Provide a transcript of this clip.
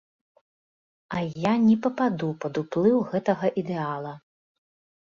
А я не пападу пад уплыў гэтага ідэала!